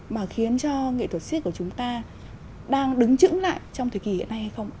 mà khiến cho nghệ thuật siếc của chúng ta đang đứng trứng lại trong thời kỳ hiện nay hay không